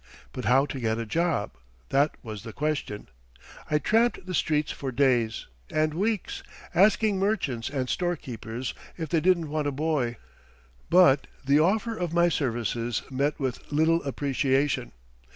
But how to get a job that was the question. I tramped the streets for days and weeks, asking merchants and storekeepers if they didn't want a boy; but the offer of my services met with little appreciation.